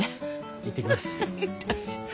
行ってきます。